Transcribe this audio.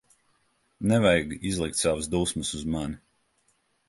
Nevajag izlikt savas dusmas uz mani.